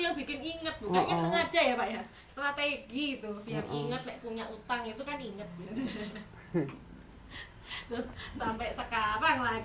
yang inget punya utang itu kan inget sampai sekarang lahirnya kalau nggak gitu nggak ketemu